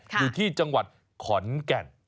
อยู่ที่จังหวัดขอนแก่น